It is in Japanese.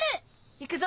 行くぞ。